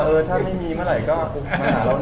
ถ้าไม่มีเมื่อไหร่ก็มาหาเรา